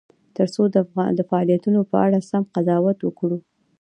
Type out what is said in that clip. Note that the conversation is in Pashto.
ترڅو د فعالیتونو په اړه سم قضاوت وکړو.